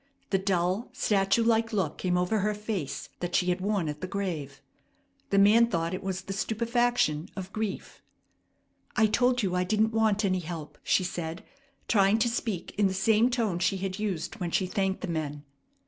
The dull, statue like look came over her face that she had worn at the grave. The man thought it was the stupefaction of grief. "I told you I didn't want any help," she said, trying to speak in the same tone she had used when she thanked the men.